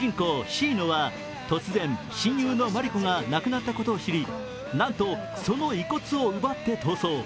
・シイノは突然、親友のマリコが亡くなったことを知り、なんと、その遺骨を奪って逃走。